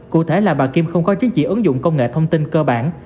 cụ thể là bà kim không có chứng chỉ ứng dụng công nghệ thông tin cơ bản